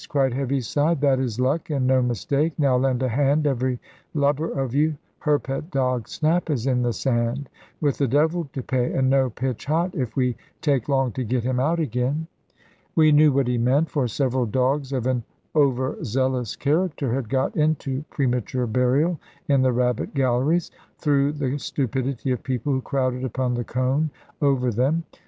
cried Heaviside; "that is luck, and no mistake. Now lend a hand, every lubber of you. Her pet dog Snap is in the sand; 'with the devil to pay, and no pitch hot,' if we take long to get him out again." We knew what he meant; for several dogs of an over zealous character had got into premature burial in the rabbit galleries, through the stupidity of people who crowded upon the cone over them.